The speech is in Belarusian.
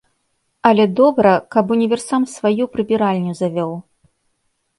Але добра, каб універсам сваю прыбіральню завёў.